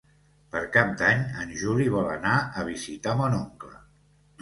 Per Cap d'Any en Juli vol anar a visitar mon oncle.